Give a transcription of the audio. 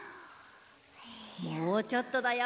もうちょっとだよ。